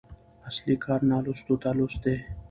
اصلي کار نالوستو ته لوست دی.